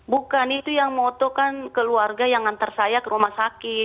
bukan itu yang moto kan keluarga yang ngantar saya ke rumah sakit